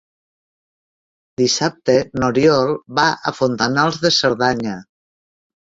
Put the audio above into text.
Dissabte n'Oriol va a Fontanals de Cerdanya.